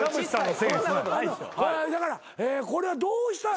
だからこれはどうしたら。